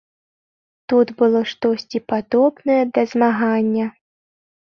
Тут было штосьці падобнае да змагання.